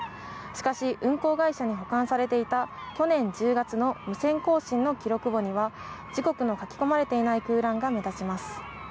しかし運航会社に保管されていた去年１０月の無線交信には事故の時刻が書き込まれていない箇所があります。